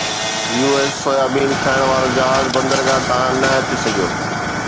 U S soybean کڻڻ وارو جهاز بندرگاهه تان نه هٽي سگهيو